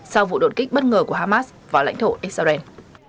sau vụ đột kích bất ngờ của hamas vào lãnh thổ israel